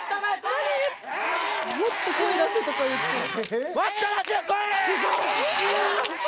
「もっと声出せ」とか言ってる。